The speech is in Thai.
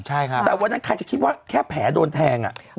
เพราะวันนั้นใครจะคิดว่าแผ่โดนแทง